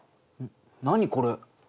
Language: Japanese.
何これ？